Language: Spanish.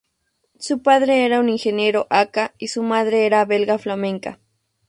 Su padre era un ingeniero hakka y su madre era belga flamenca.